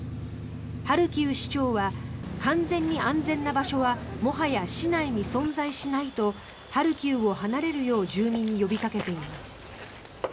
ハルキウ市長は完全に安全な場所はもはや市内に存在しないとハルキウを離れるよう住民に呼びかけています。